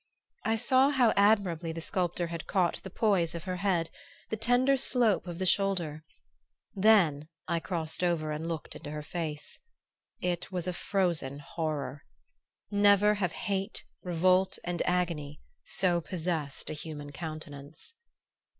I saw how admirably the sculptor had caught the poise of her head, the tender slope of the shoulder; then I crossed over and looked into her face it was a frozen horror. Never have hate, revolt and agony so possessed a human countenance....